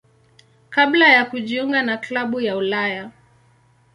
kabla ya kujiunga na klabu ya Ulaya.